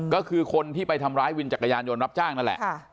ก็คือคนที่ไปทำร้ายวินจักรยานยนต์รับจ้างนั่นแหละ